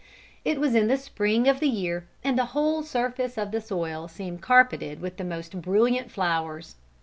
It was in the spring of the year and the whole surface of the soil seemed carpeted with the most brilliant flowers.